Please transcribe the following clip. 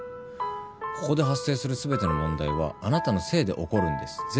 ここで発生する全ての問題はあなたのせいで起こるんです。